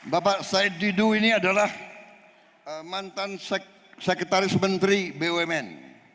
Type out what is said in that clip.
bapak said didu ini adalah mantan sekretaris menteri bumn